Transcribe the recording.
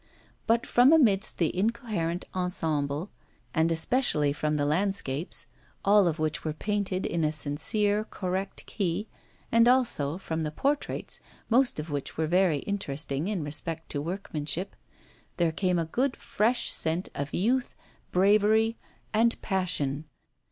But from amidst the incoherent ensemble, and especially from the landscapes, all of which were painted in a sincere, correct key, and also from the portraits, most of which were very interesting in respect to workmanship, there came a good fresh scent of youth, bravery and passion.